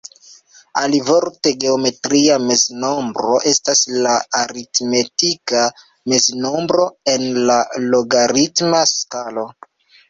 Alivorte, geometria meznombro estas la aritmetika meznombro en la logaritma skalo.